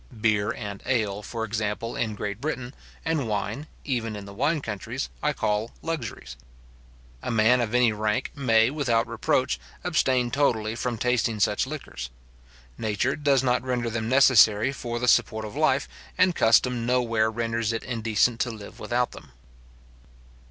Beer and ale, for example, in Great Britain, and wine, even in the wine countries, I call luxuries. A man of any rank may, without any reproach, abstain totally from tasting such liquors. Nature does not render them necessary for the support of life; and custom nowhere renders it indecent to live without them.